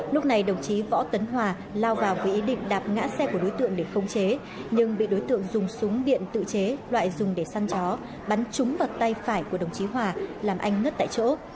lúc này đồng chí võ tấn hòa lao vào với ý định đạp ngã xe của đối tượng để khống chế nhưng bị đối tượng dùng súng điện tự chế loại dùng để săn chó bắn trúng vào tay phải của đồng chí hòa làm anh ngất tại chỗ